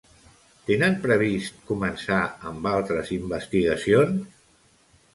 Tenen previst començar amb altres investigacions?